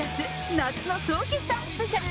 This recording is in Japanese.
夏の総決算スペシャル。